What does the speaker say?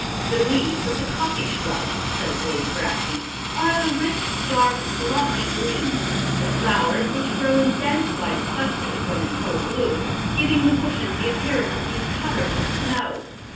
"The leaves of the coffee shrub," says Lady Brassey, "are of a rich, dark, glossy green; the flowers, which grow in dense white clusters, when in full bloom, giving the bushes the appearance of being covered with snow.